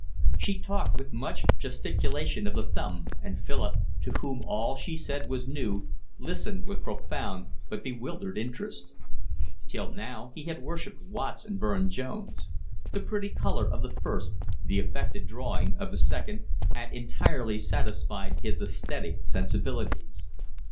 She talked with much gesticulation of the thumb, and Philip, to whom all she said was new, listened with profound but bewildered interest. Till now he had worshipped Watts and Burne Jones. The pretty colour of the first, the affected drawing of the second, had entirely satisfied his aesthetic sensibilities.